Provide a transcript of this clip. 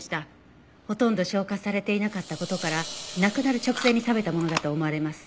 ほとんど消化されていなかった事から亡くなる直前に食べたものだと思われます。